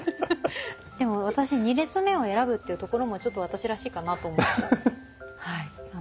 でも私２列目を選ぶっていうところもちょっと私らしいかなと思ってはい。